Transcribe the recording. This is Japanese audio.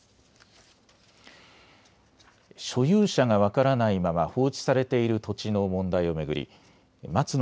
所有者が分からまま放置されている土地の問題を巡り松野